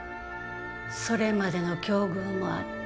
それまでの境遇もあってか